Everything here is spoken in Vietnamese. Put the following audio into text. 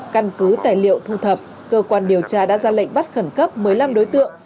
căn cứ tài liệu thu thập cơ quan điều tra đã ra lệnh bắt khẩn cấp một mươi năm đối tượng